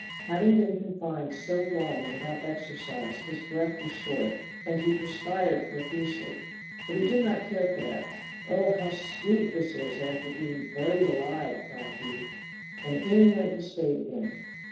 Having been confined so long without exercise his breath was short, and he perspired profusely; but he did not care for that. "Oh, how sweet this is after being buried alive," cried he, and in went the spade again.